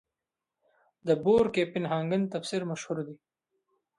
د بور کپنهاګن تفسیر مشهور دی.